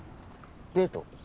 デート？